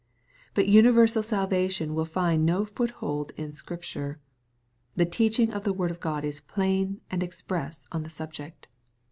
But universal salvation will find no foot hold in Scripture. The teaching of the word of God is plain and express on the subject.